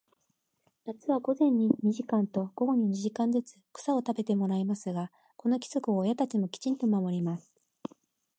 夏は午前に二時間と、午後に二時間ずつ、草を食べさせてもらいますが、この規則を親たちもきちんと守ります。